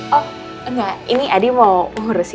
oh enggak ini adi mau mengurusin